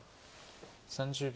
３０秒。